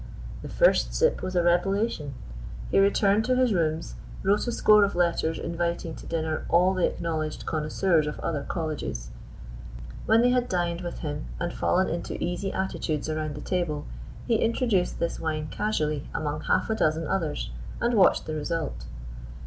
The first sip was a revelation. He returned to his rooms, wrote a score of letters inviting to dinner all the acknowledged connoisseurs of other colleges. When they had dined with him, and fallen into easy attitudes around the table, he introduced this wine casually among half a dozen others, and watched the result.